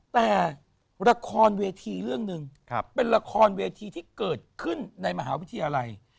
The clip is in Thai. แต่ละครเวทีเรื่องหนึ่งเป็นละครเวทีที่เกิดขึ้นในมหาวิทยาลัย